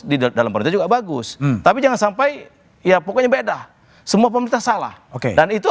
di dalam partai juga bagus tapi jangan sampai ya pokoknya beda semua pemerintah salah dan itu